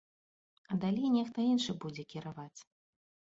А далей нехта іншы будзе кіраваць.